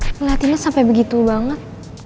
ngeliatinnya sampai begitu banget